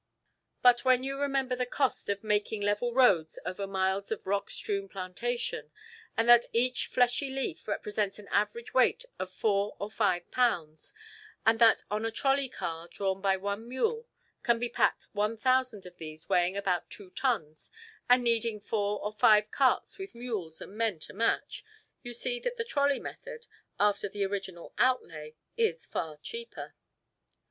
But when you remember the cost of making level roads over miles of rock strewn plantation, and that each fleshy leaf represents an average weight of four or five pounds, and that on a trolley car drawn by one mule can be packed one thousand of these weighing about two tons and needing four or five carts with mules and men to match, you see that the trolley method, after the original outlay, is far cheaper.